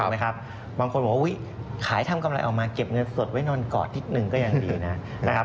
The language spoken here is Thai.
บางคนบอกว่าขายทำกำไรออกมาเก็บเงินสดไว้นอนกอดนิดนึงก็ยังดีนะครับ